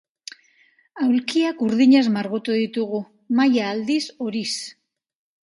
Aulkiak urdinez margotu ditugu, mahaia aldiz horiz.